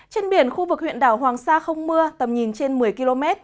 trên biển khu vực huyện đảo hoàng sa không mưa tầm nhìn trên một mươi km